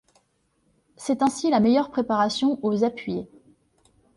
C'est ainsi la meilleure préparation aux appuyers.